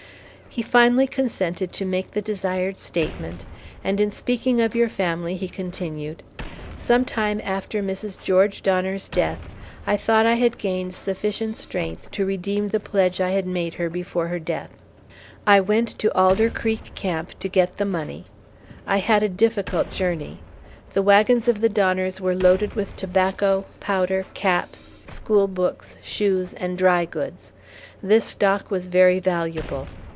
He finally consented to make the desired statement, and in speaking of your family he continued: "Some time after Mrs. George Donner's death, I thought I had gained sufficient strength to redeem the pledge I had made her before her death. I went to Alder Creek Camp to get the money. I had a difficult journey. The wagons of the Donners were loaded with tobacco, powder, caps, school books, shoes, and dry goods. This stock was very valuable.